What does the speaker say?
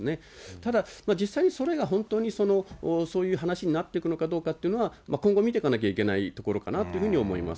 ただ、実際にそれが本当にそういう話になっていくのかどうかっていうのは、今後見ていかなきゃいけないところかなというふうに思います。